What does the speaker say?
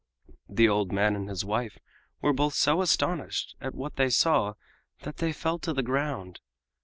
The old man and his wife were both so astonished at what they saw that they fell to the ground.